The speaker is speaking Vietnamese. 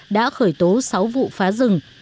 đã khởi tố sáu vụ phá rừng